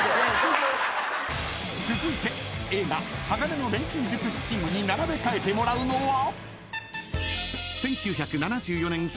［続いて映画鋼の錬金術師チームに並べ替えてもらうのは］